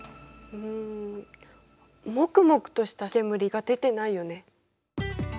うんもくもくとした煙が出てないよね。